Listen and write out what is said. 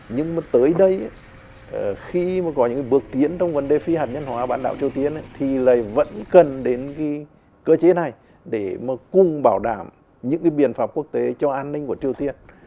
nhưng mà tới đây khi mà có những bước tiến trong vấn đề phi hạt nhân hóa bán đảo triều tiên thì lại vẫn cần đến cái cơ chế này để mà cùng bảo đảm những cái biện pháp quốc tế cho an ninh của triều tiên